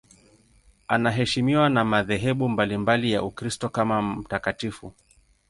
Anaheshimiwa na madhehebu mbalimbali ya Ukristo kama mtakatifu.